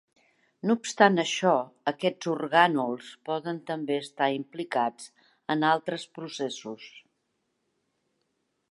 No obstant això, aquests orgànuls poden també estar implicats en altres processos.